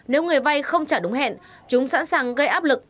nếu người vay không trả đúng hẹn chúng sẵn sàng gây áp lực